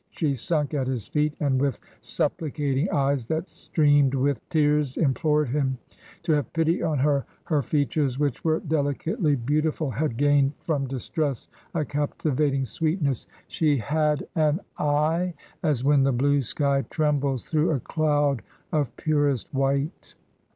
She sunk at his feet, and with suppUcating eyes that streamed with tears implored him to have pity on her. ... Her features, which were delicately beautiftd, had gained from distress a captivating sweetness; she had '— ^An eye A3 when the blue sky trembles through a doud Of purest white.'